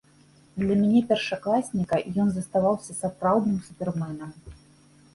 Для мяне, першакласніка, ён заставаўся сапраўдным суперменам.